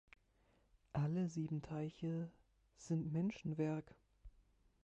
Alle sieben Teiche sind Menschenwerk.